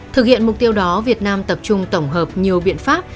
thực hiện mục tiêu đó việt nam tập trung tổng hợp nhiều biện pháp